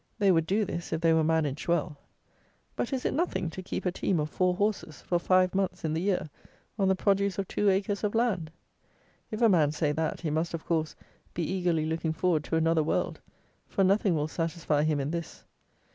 They would do this, if they were managed well. But is it nothing to keep a team of four horses, for five months in the year, on the produce of two acres of land? If a man say that, he must, of course, be eagerly looking forward to another world; for nothing will satisfy him in this.